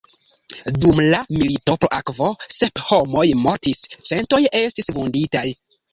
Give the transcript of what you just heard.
Dum la „milito pro akvo“ sep homoj mortis, centoj estis vunditaj.